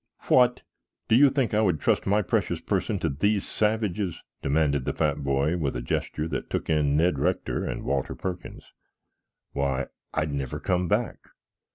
"What! Do you think I would trust my precious person to these savages?" demanded the fat boy with a gesture that took in Ned Rector and Walter Perkins. "Why, I'd never come back!"